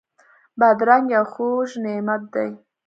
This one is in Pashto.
بادرنګ یو خوږ نعمت دی.